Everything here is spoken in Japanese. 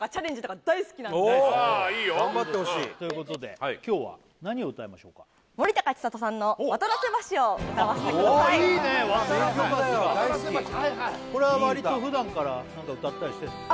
私こういうああいいよ頑張ってほしいということで今日は何を歌いましょうか森高千里さんの「渡良瀬橋」を歌わせてくださいいいね「渡良瀬橋」か大好きこれはわりと普段から歌ったりしてんですか？